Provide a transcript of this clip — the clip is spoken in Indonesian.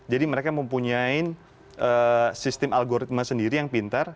jadi mereka mempunyai sistem algoritma sendiri yang pintar